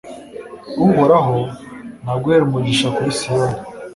uhoraho, naguhere umugisha kuri siyoni